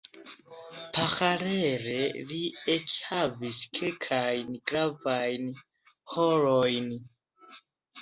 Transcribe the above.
Paralele, li ekhavis kelkajn gravajn rolojn.